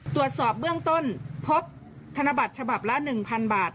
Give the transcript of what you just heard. ตรวจสอบเบื้องต้นพบธนบัตรฉบับละ๑๐๐๐บาท